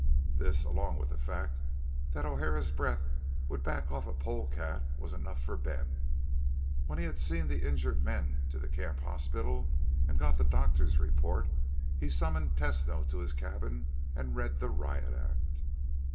This, along with the fact that O'Hara's breath would back off a polecat, was enough for Ben. When he had seen the injured men to the camp hospital and got the doctor's report, he summoned Tesno to his cabin and read the riot act.